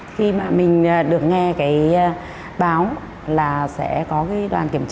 khi mà mình được nghe cái báo là sẽ có cái đoàn kiểm tra